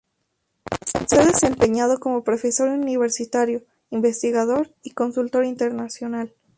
Se ha desempeñado como profesor universitario, investigador y consultor internacional.